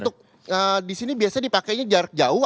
nah untuk disini biasanya dipakainya jarak jauh